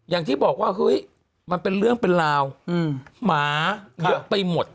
อย่างที่บอกว่าเฮ้ยมันเป็นเรื่องเป็นราวหมาเยอะไปหมด